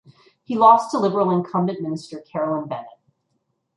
He lost to Liberal incumbent Minister Carolyn Bennett.